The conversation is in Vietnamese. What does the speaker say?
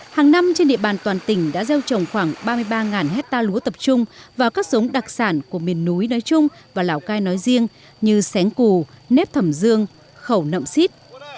hàng năm trên địa bàn toàn tỉnh đã gieo trồng khoảng ba mươi ba hectare lúa tập trung vào các giống đặc sản của miền núi nói chung và lào cai nói riêng như xén cù nếp thẩm dương khẩu nậm xít